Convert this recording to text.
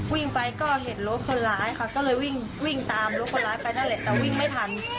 วิ่งไปก็เห็นรถคนร้ายค่ะก็เลยวิ่งวิ่งตามรถคนร้ายไปนั่นแหละแต่วิ่งไม่ทัน